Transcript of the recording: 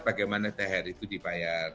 bagaimana thr itu dibayar